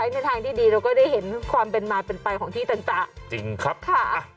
ในทางที่ดีเราก็ได้เห็นความเป็นมาเป็นไปของที่แต่น่ะ